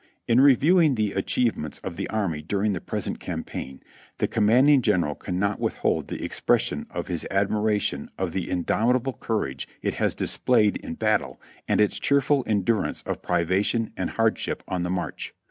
"In reviewing the achievements of the army during the present campaign, the commanding General cannot withhold the expres sion of his admiration of the indomitable courage it has dis played in battle and its cheerful endurance of privation and hard ship on the march.